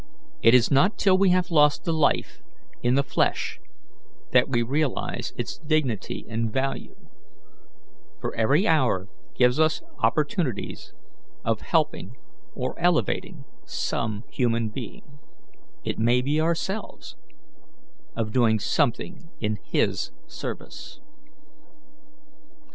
It is not till we have lost the life in the flesh that we realize its dignity and value, for every hour gives us opportunities of helping or elevating some human being it may be ourselves of doing something in His service.